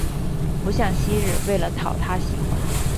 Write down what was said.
不像昔日为了讨他喜欢